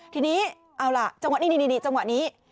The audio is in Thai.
ทีนี้เอาละจังหวะนี้